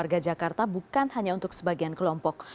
pemimpin bagi seluruh warga jakarta bukan hanya untuk sebagian kelompok